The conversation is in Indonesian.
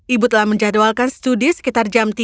ibu telah menjadwalkan studi sekitar jam tiga